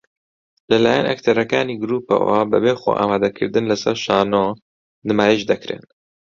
لە لایەن ئەکتەرەکانی گرووپەوە بەبێ خۆئامادەکردن لەسەر شانۆ نمایش دەکرێن